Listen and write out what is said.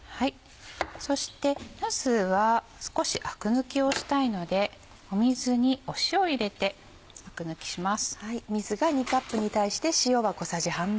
そしてなすは少しアク抜きをしたいので水に塩を入れてアク抜きします。